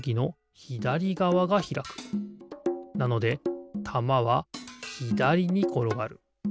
なのでたまはひだりにころがる。